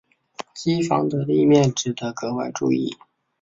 机房的立面值得格外注意。